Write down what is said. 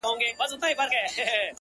دغه د اور ځنځير ناځوانه ځنځير!